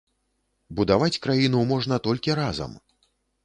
Будаваць краіну можна толькі разам.